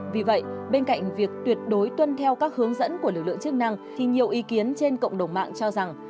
vì vậy bên cạnh việc tuyệt đối tuân theo các hướng dẫn của lực lượng chức năng thì nhiều ý kiến trên cộng đồng mạng cho rằng